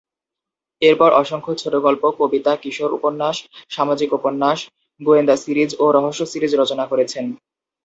এরপর অসংখ্য ছোটগল্প, কবিতা, কিশোর উপন্যাস, সামাজিক উপন্যাস, গোয়েন্দা সিরিজ ও রহস্য সিরিজ রচনা করেছেন।